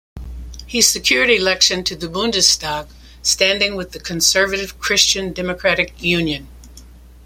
He secured election to the Bundestag standing with the conservative Christian Democratic Union.